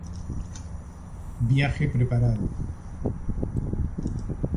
Viaje preparado